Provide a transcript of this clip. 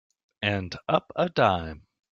And up a dime.